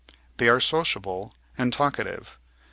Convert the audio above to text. They are sociable and talkative.